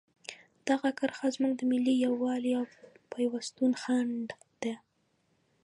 دغه کرښه زموږ د ملي یووالي او پیوستون خنډ ده.